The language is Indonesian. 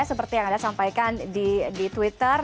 seperti yang anda sampaikan di twitter